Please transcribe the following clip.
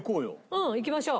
うんいきましょう。